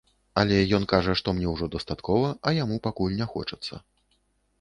Але ён кажа, што мне ўжо дастаткова, а яму пакуль не хочацца.